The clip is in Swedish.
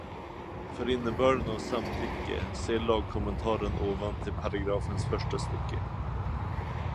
För innebörden av samtycke, se lagkommentaren ovan till paragrafens första stycke.